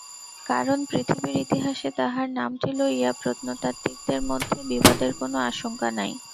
কারণ, পৃথিবীর ইতিহাসে তাহার নামটি লইয়া প্রত্নতাত্ত্বিকদের মধ্যে বিবাদের কোনো আশঙ্কা নাই।